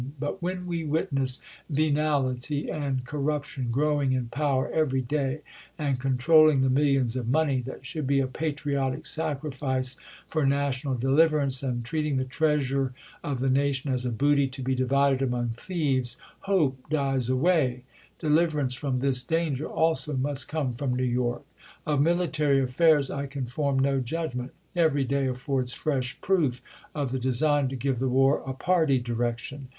.. But when we witness venality and corruption growing in power every day, and controlling the miUions of money that should be a patriotic sacrifice for national deliverance, and treat ing the treasure of the nation as a booty to be divided among thieves, hope dies away : deliverance from this danger also must come from New York. ,. Of military affairs I can form no judgment. Every day affords fresh proof of the design to give the war a party direction.